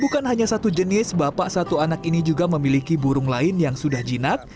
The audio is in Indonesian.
bukan hanya satu jenis bapak satu anak ini juga memiliki burung lain yang sudah jinak